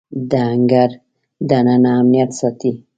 د انګړ دننه امنیت ساتي.